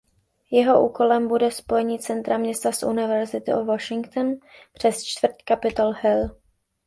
Jeho úkolem bude spojení centra města s University of Washington přes čtvrť Capitol Hill.